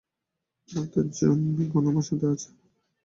ডাঃ জং এখন আমার সাথে আছে।